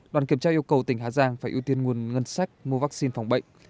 đoàn kiểm tra yêu cầu tỉnh hà giang phải ưu tiên nguồn ngân sách mua vaccine phòng bệnh